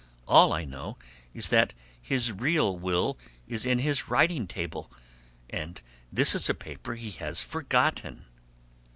"All I know is that his real will is in his writing table, and this is a paper he has forgotten...."